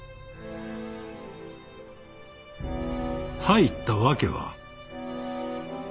入った訳は？